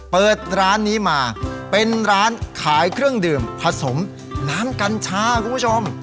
เปิดร้านนี้มาเป็นร้านขายเครื่องดื่มผสมน้ำกัญชาคุณผู้ชม